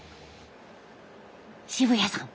渋谷さん